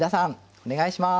お願いします。